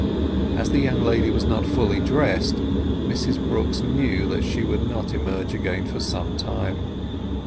As the young lady was not fully dressed, Mrs Brooks knew that she would not emerge again for some time.